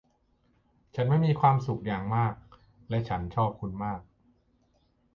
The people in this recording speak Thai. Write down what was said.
ฉันไม่มีความสุขอย่างมากและฉันชอบคุณมาก